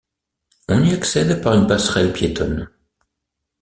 On y accède par une passerelle piétonne.